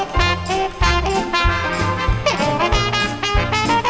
สวัสดีครับ